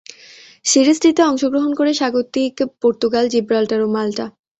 সিরিজটিতে অংশগ্রহণ করে স্বাগতিক পর্তুগাল, জিব্রাল্টার ও মাল্টা।